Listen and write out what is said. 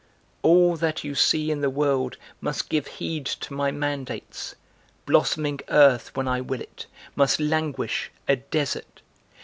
All that you see in the world must give heed to my mandates; Blossoming earth, when I will it, must languish, a desert.